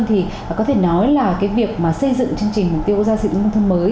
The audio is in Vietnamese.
thì có thể nói là cái việc mà xây dựng chương trình mục tiêu gia sử dụng nông thôn mới